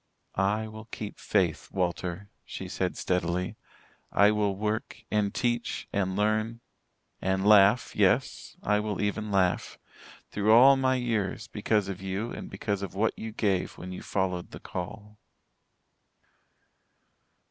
"I will keep faith, Walter," she said steadily. "I will work and teach and learn and laugh, yes, I will even laugh through all my years, because of you and because of what you gave when you followed the call."